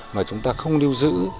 mà chúng ta không lưu giữ